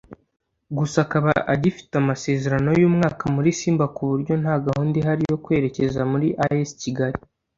gusa akaba agifite amasezerano y’umwaka muri Simba ku buryo nta gahunda ihari yo kwerekeza muri As Kigali